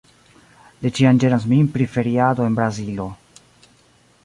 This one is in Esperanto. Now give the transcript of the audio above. Li ĉiam ĝenas min pri feriado en Brazilo